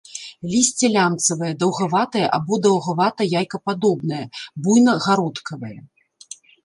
Лісце лямцавае, даўгаватае або даўгавата-яйкападобнае, буйна-гародкавае.